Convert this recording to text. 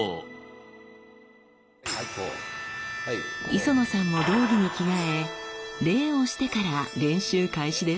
磯野さんも道着に着替え礼をしてから練習開始です。